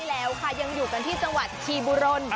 ใครแล้วค่ะยังอยู่กันที่สวรรค์ชีบุรนด์